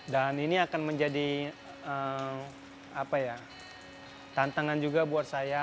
dan ini akan menjadi tantangan juga buat saya